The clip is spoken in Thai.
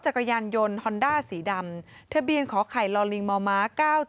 จักรยานยนต์ฮอนด้าสีดำทะเบียนขอไข่ลอลิงมม๙๗